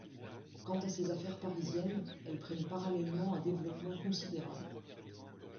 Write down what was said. Quant à ses affaires parisiennes, elles prennent parallèlement un développement considérable.